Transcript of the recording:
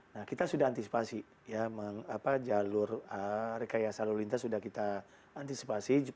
nah kita sudah antisipasi ya jalur rekayasa lalu lintas sudah kita antisipasi